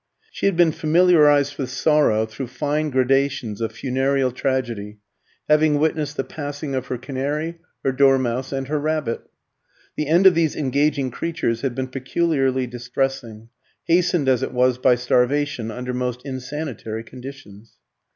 She had been familiarised with sorrow through fine gradations of funereal tragedy, having witnessed the passing of her canary, her dormouse, and her rabbit. The end of these engaging creatures had been peculiarly distressing, hastened as it was by starvation, under most insanitary conditions.